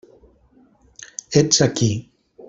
Ets aquí.